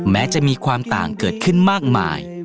แม้จะมีความต่างเกิดขึ้นมากมาย